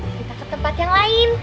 kita ke tempat yang lain